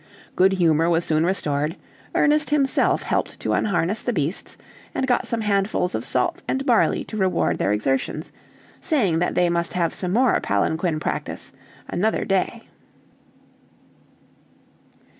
Good humor was soon restored, Ernest himself helped to unharness the beasts, and got some handfuls of salt and barley to reward their exertions, saying that they must have some more palanquin practice another day.